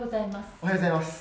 おはようございます。